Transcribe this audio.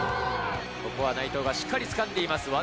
ここは内藤がしっかりつかんでいます。